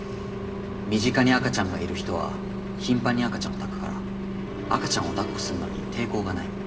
身近に赤ちゃんがいる人は頻繁に赤ちゃんを抱くから赤ちゃんをだっこするのに抵抗がない。